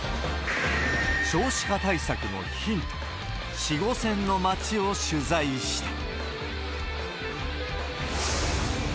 少子化対策のヒント、子午線の町を取材した。